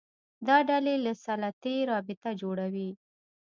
دا ډلې له سلطې رابطه جوړوي